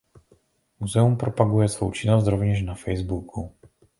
Muzeum propaguje svou činnost rovněž na Facebooku.